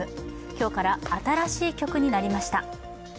今日から新しい曲になりました。